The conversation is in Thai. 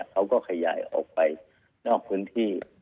เขาก็ขยายออกไปนอกพื้นที่